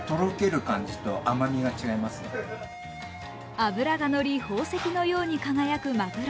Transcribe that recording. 脂が乗り、宝石のように輝くマグロ。